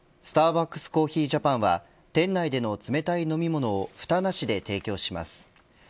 スターバックスコーヒージャパンは店内での冷たい飲み物をふたなしで提供します。